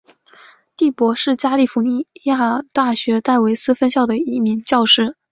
第伯是加利福尼亚大学戴维斯分校的一名教师。